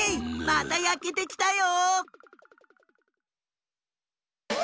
またやけてきたよ！